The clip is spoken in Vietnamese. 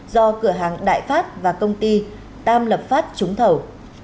do cửa hàng đại pháp và công ty tam lập phát trúng thầu